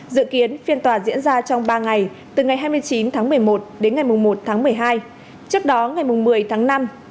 dự kiến phiên tòa diễn ra trong ba ngày từ ngày hai mươi chín tháng một mươi một đến ngày một tháng một mươi hai trước đó ngày một mươi tháng năm